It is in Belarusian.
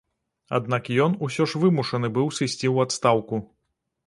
Аднак ён усё ж вымушаны быў сысці ў адстаўку.